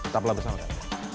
kita telah bersama